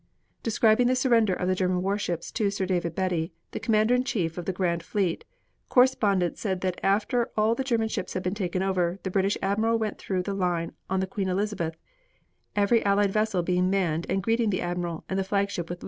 Describing the surrender of the German warships to Sir David Beatty, the Commander in Chief of the grand fleet, correspondents said that after all the German ships had been taken over, the British admiral went through the line on the Queen Elizabeth, every Allied vessel being manned and greeting the admiral and the flagship with loud and ringing cheers.